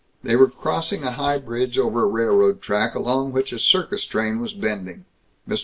They were crossing a high bridge over a railroad track along which a circus train was bending. Mr.